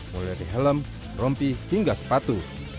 mulai dari helm rompi hingga sepatu